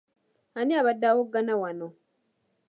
Ani abadde awoggana wano.